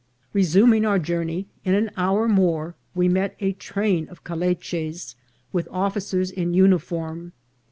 Resuming our journey, in an hour more we met a train of caliches, with officers in uniform.